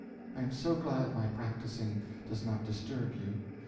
I am so glad my practicing does not disturb you.